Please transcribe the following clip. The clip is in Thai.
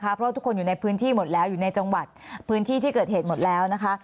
เพราะทุกคนอยู่ในพื้นที่หมดแล้วอยู่ในจังหวัดพื้นที่ที่เกิดเหตุหมดแล้วนะคะ